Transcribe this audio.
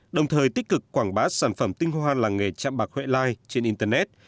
đồng thời tích cực quảng bá sản phẩm tinh hoa làng nghề chạm bạc huệ lai trên internet